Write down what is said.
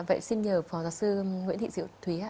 vậy xin nhờ phó giáo sư nguyễn thị diệu thúy ạ